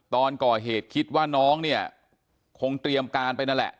ตอนก่อเหตุคิดว่าน้องเนี่ยคงเตรียมการไปนั่นแหละ